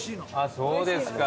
そうですか。